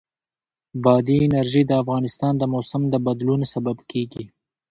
بادي انرژي د افغانستان د موسم د بدلون سبب کېږي.